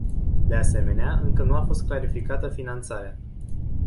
De asemenea, încă nu a fost clarificată finanțarea.